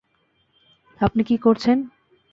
আপনি কি করছেন?